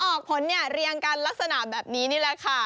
ออกผลเนี่ยเรียงกันลักษณะแบบนี้นี่แหละค่ะ